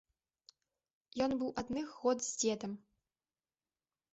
Ён быў адных год з дзедам.